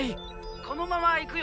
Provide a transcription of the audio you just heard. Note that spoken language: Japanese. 「このまま行くよ」。